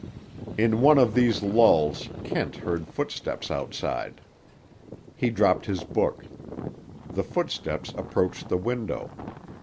In one of these lulls Kent heard footsteps outside. He dropped his book. The footsteps approached the window.